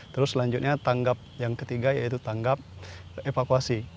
terus selanjutnya tanggap yang ketiga yaitu tanggap evakuasi